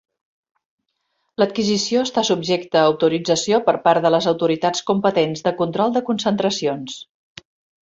L'adquisició està subjecta a autorització per part de les autoritats competents de control de concentracions.